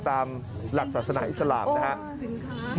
ตามหลักศาสนาอิสลามนะครับ